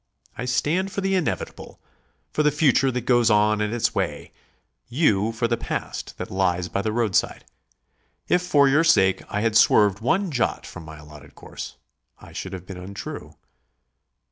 I stand for the Inevitable, for the future that goes on its way; you for the past that lies by the roadside. If for your sake I had swerved one jot from my allotted course, I should have been untrue.